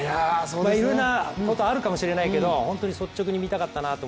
いろいろなことあるかもしれないけれども本当に率直に見たかったなと。